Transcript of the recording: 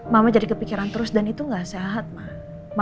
mama jadi kepikiran terus dan itu gak sehat mah